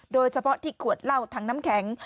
โดยเฉพาะที่ขวดเหล้าถังน้ำแข็ง